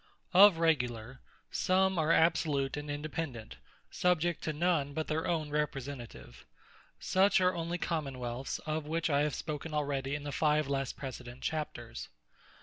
Of Regular, some are Absolute, and Independent, subject to none but their own Representative: such are only Common wealths; Of which I have spoken already in the 5. last preceding chapters.